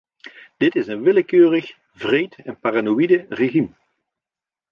Dit is een willekeurig, wreed en paranoïde regime.